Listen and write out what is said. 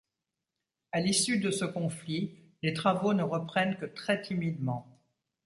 À l'issue de ce conflit, les travaux ne reprennent que très timidement.